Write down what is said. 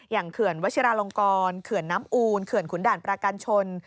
เขื่อนวัชิราลงกรเขื่อนน้ำอูลเขื่อนขุนด่านประกันชน